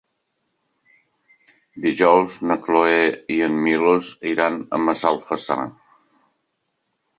Dijous na Cloè i en Milos iran a Massalfassar.